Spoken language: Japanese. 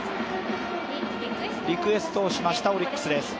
リクエストをしましたオリックスです。